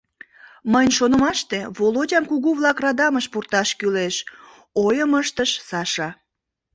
— Мыйын шонымаште, Володям кугу-влак радамыш пурташ кӱлеш, — ойым ыштыш Саша.